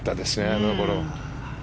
あのころ。